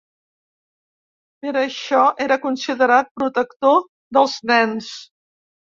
Per això era considerat protector dels nens.